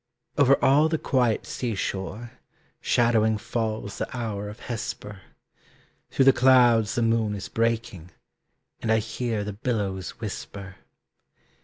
Over all the quiet sea shore Shadowing falls the hour of Hesper; Through the clouds the moon is breaking, And I hear the billows whisper.